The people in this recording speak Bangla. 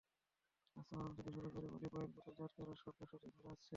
রাস্তা বানানো থেকে শুরু করে অলিভ অয়েল বোতলজাত করা—সব ব্যবসাতেই তাঁরা আছেন।